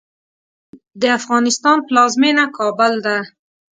د افغانستان پلازمېنه کابل ده.